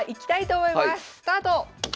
スタート。